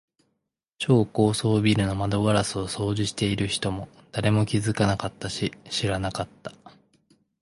超高層ビルの窓ガラスを掃除している人も、誰も気づかなかったし、知らなかった。